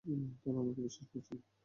তারা তোমাকে বিশ্বাস করেছিল।